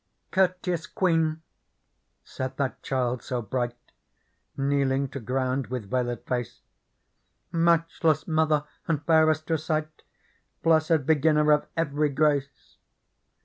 " Courteous Queen !" said that child so bright, Kneeling to ground with veiled face ;*' Matchless mother and fairest to sight. Blessed beginner of every grace